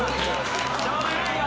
・しょうがないよ！